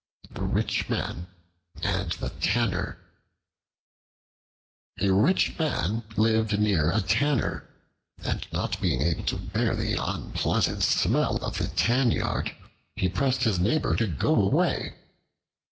The Rich Man and the Tanner A RICH MAN lived near a Tanner, and not being able to bear the unpleasant smell of the tan yard, he pressed his neighbor to go away.